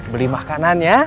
beli makanan ya